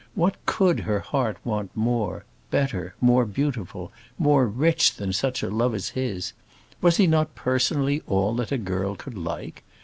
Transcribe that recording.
What could her heart want more, better, more beautiful, more rich than such a love as his? Was he not personally all that a girl could like?